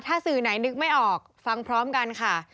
ถ้าสื่อไหนนึกไม่ออกฟังพร้อมกันค่ะ